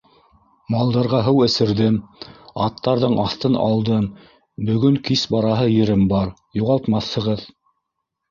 Малдарға һыу эсерҙем, аттарҙың аҫтын алдым, бөгөн кис бараһы ерем бар, юғалтмаҫһығыҙ...